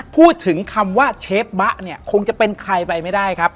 พูดถึงคำว่าเชฟบะเนี่ยคงจะเป็นใครไปไม่ได้ครับ